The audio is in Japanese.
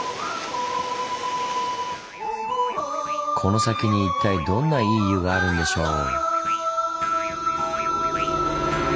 この先に一体どんないい湯があるんでしょう？